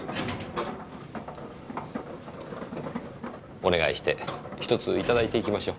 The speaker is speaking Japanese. お願いして一ついただいていきましょう。